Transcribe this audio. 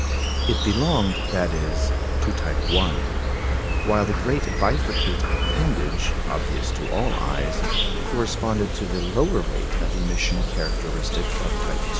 It belonged, that is, to type 1; while the great bifurcate appendage, obvious to all eyes, corresponded to the lower rate of emission characteristic of type 2.